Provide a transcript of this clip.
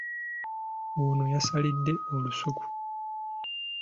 Ono y'asalidde olusuku.